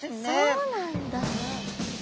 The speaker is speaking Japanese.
そうなんだ。